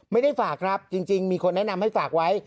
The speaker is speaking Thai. ไม่ได้ฝากครับจริงมีคนแนะนำให้ฝากไว้